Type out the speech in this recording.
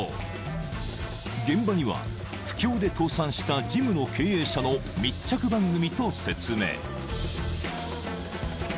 ［現場には不況で倒産したジムの経営者の密着番組と説明］